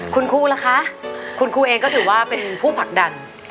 คุณครูล่ะคะคุณครูเองก็ถือว่าเป็นผู้ผลักดัน